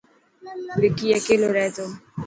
وڪي اڪيلو رهي تو.